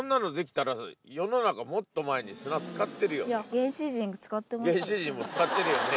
原始人も使ってるよね。